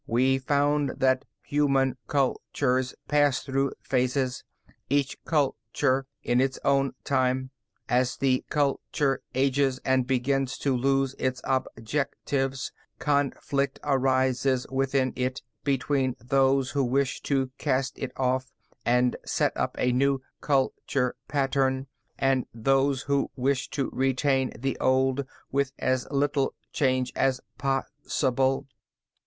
We found that human cultures pass through phases, each culture in its own time. As the culture ages and begins to lose its objectives, conflict arises within it between those who wish to cast it off and set up a new culture pattern, and those who wish to retain the old with as little change as possible.